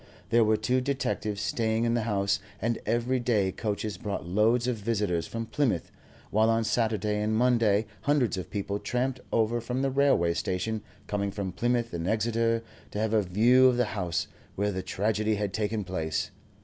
There were two detectives staying in the house, and every day coaches brought loads of visitors from Plymouth; while on Saturday and Monday hundreds of people tramped over from the railway station, coming from Plymouth and Exeter to have a view of the house where the tragedy had taken place.